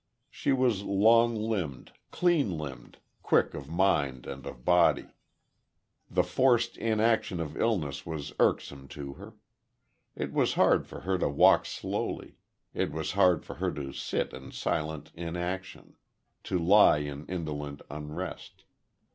She was long limbed, clean limbed, quick of mind and of body.... The forced inaction of illness was irksome to her. It was hard for her to walk slowly; it was hard for her to sit in silent inaction to lie in indolent unrest.